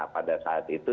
pada saat itu